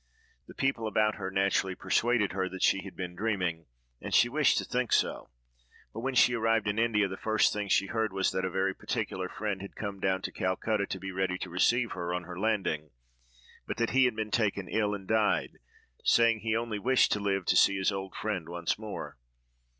The people about her naturally persuaded her that she had been dreaming; and she wished to think so; but when she arrived in India, the first thing she heard was, that a very particular friend had come down to Calcutta to be ready to receive her on her landing, but that he had been taken ill and died, saying he only wished to live to see his old friend once more.